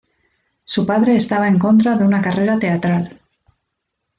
Su padre estaba en contra de una carrera teatral.